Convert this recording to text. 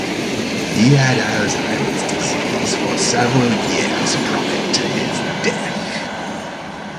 He had Alzheimer's disease for several years prior to his death.